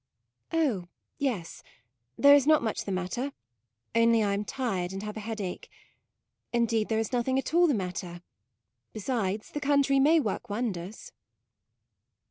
u Oh yes'; there is not much the matter, only I am tired and have a headache. Indeed there is nothing at all the matter; besides, the country may work wonders."